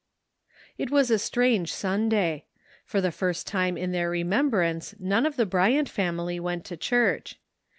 It was a strange Sunday ; for the first time in their remembrance none of the Bryant family went to church.